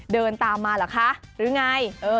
เดินตามมาเหรอคะหรือไง